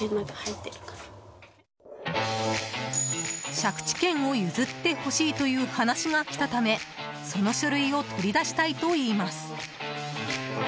借地権を譲ってほしいという話が来たためその書類を取り出したいといいます。